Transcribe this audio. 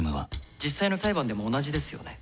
実際の裁判でも同じですよね。